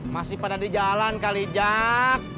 masih pada di jalan kali jak